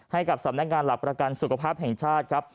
ให้กับสำนักงานหลักประกันสุขภาพแห่งชาติครับ